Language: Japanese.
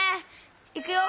いくよ。